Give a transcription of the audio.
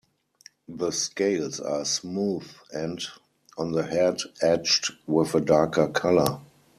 The scales are smooth and, on the head, edged with a darker colour.